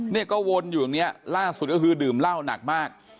เนี่ยก็วนอยู่อย่างนี้ล่าสุดก็คือดื่มเหล้าหนักมาก